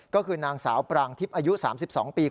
ก็คือนางสาวปรางทิพย์อายุ๓๒ปี